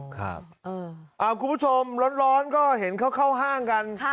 คุณผู้ชมร้อนก็เห็นเขาเข้าห้างกัน